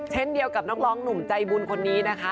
เช่นเดียวกับนักร้องหนุ่มใจบุญคนนี้นะคะ